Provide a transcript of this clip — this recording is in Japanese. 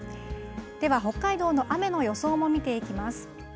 では、北海道の雨の予想も見ていきます。